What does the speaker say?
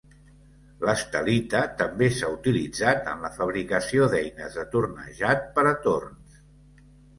L'estelita també s'ha utilitzat en la fabricació d'eines de tornejat per a torns.